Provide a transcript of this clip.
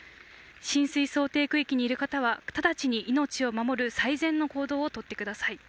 浸水想定区域にいる方は直ちに命を守る最善の行動をとってください。